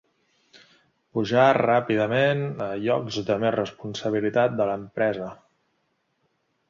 Pujar ràpidament a llocs de més responsabilitat de l'empresa.